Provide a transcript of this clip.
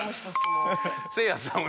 せいやさん